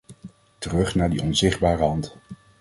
Terug naar die onzichtbare hand.